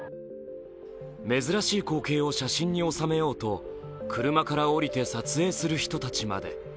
珍しい光景を写真に収めようと車から降りて撮影する人たちまで。